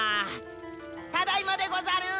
ただいまでござる！